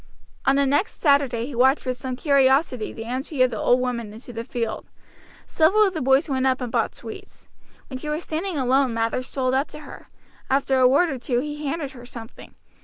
On the next Saturday he watched with some curiosity the entry of the old woman into the field. Several of the boys went up and bought sweets. When she was standing alone Mather strolled up to her. After a word or two he handed her something.